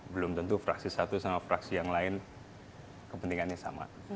belum tentu fraksi satu sama fraksi yang lain kepentingannya sama